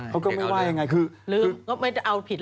เขาก็ไม่ว่ายังไง